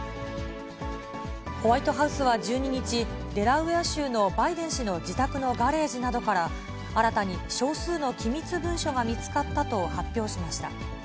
ホワイトハウスは１２日、デラウェア州のバイデン氏の自宅のガレージなどから、新たに少数の機密文書が見つかったと発表しました。